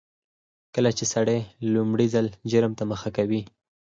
کله چې سړی لومړي ځل جرم ته مخه کوي